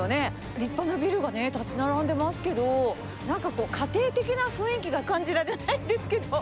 立派なビルが建ち並んでますけど、なんかこう、家庭的な雰囲気が感じられないんですけど。